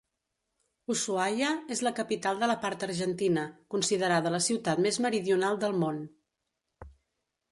Ushuaia és la capital de la part argentina, considerada la ciutat més meridional del món.